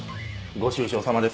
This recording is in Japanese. ご愁傷さまです。